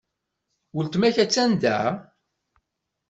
Weltma-k attan da?